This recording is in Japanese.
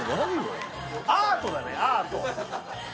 アートだねアート。